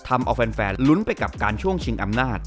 ทำเอาแฟนลุ้นไปกับการช่วงชิงอำนาจ